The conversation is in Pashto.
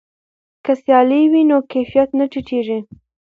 که سیالي وي نو کیفیت نه ټیټیږي.